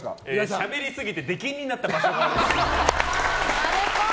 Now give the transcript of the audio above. しゃべりすぎて出禁になった場所があるっぽい。